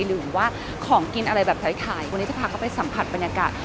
หรือว่าของกินอะไรแบบไทย